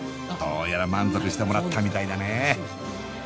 どうやら満足してもらったみたいだね